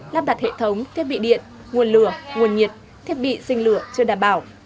lắp đặt hệ thống thiết bị điện nguồn lửa nguồn nhiệt thiết bị sinh lửa chưa đảm bảo